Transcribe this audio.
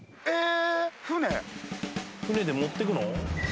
この船で持っていくの？